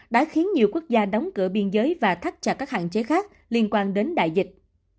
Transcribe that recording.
đã khiến nhiều quốc gia đóng cửa biên giới và thắt chặt các hạn chế khác liên quan đến đại dịch